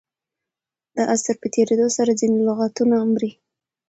د عصر په تېرېدلو سره ځیني لغتونه مري.